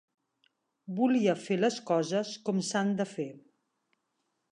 Volia fer les coses com s’han de fer.